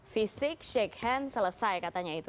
fisik shake hand selesai katanya itu